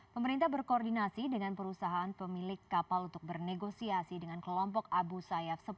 pemerintah berkoordinasi dengan perusahaan pemilik kapal untuk bernegosiasi dengan kelompok abu sayyaf